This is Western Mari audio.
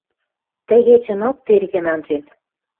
Тӹ кечӹнок терген анжен.